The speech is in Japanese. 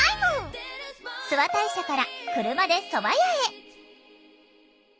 諏訪大社から車でそば屋へ。